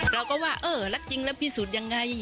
เราก็ว่าเออรักจริงแล้วพิสูจน์ยังไง